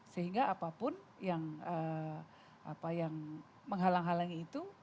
sehingga apapun yang menghalang halangi itu